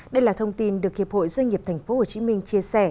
đây là thông tin được hiệp hội doanh nghiệp thành phố hồ chí minh chia sẻ